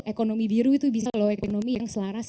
ekonomi biru itu bisa low ekonomi yang selaras